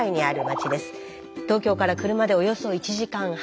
東京から車でおよそ１時間半。